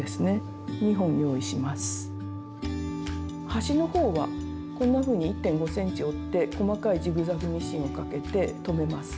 端のほうはこんなふうに１．５ｃｍ折って細かいジグザグミシンをかけて留めます。